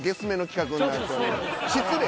失礼。